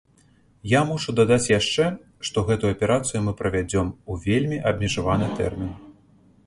Я мушу дадаць яшчэ, што гэтую аперацыю мы правядзём у вельмі абмежаваны тэрмін.